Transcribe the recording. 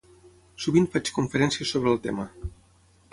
Sovint faig conferències sobre el tema.